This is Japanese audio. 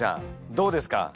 どうですか？